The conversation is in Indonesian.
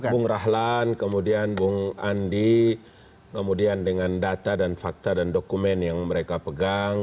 bung rahlan kemudian bung andi kemudian dengan data dan fakta dan dokumen yang mereka pegang